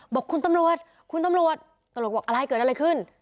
บอกคุณตำรวจคุณตำรวจตำรวจบอกอะไรเกิดอะไรขึ้น